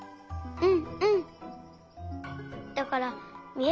うん！